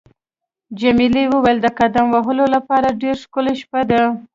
جميلې وويل: د قدم وهلو لپاره ډېره ښکلې شپه ده.